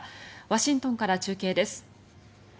ワシントンから中継です。